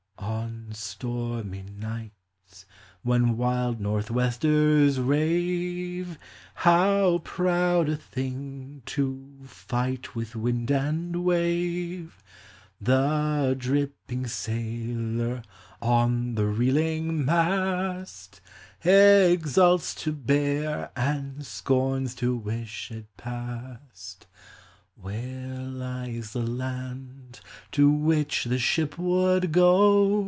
On stormy nights, when wild northwesters rave, How proud a thing to right with wind and wave! 232 POEMS OF SENTIMENT. The dripping sailor on the reeling mast Exults to bear, and scorns to wish it past. Where lies the land to which the ship would go